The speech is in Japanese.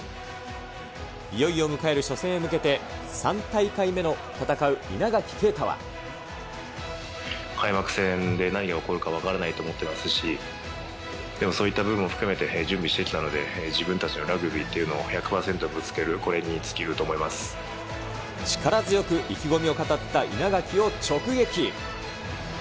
いよいよ迎える初戦へ向けて、開幕戦で何が起こるか分からないと思ってますし、でもそういった部分も含めて準備してきたので、自分たちのラグビーというのを１００％ぶつける、これに尽き力強く意気込みを語った稲垣を直撃。